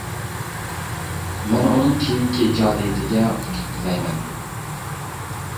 مەن ئۇنىڭ كېيىنكى ئىجادىيىتىگە ئۇتۇق تىلەيمەن.